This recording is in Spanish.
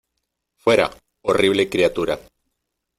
¡ Fuera, horrible criatura!